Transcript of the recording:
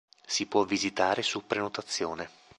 Si può visitare su prenotazione.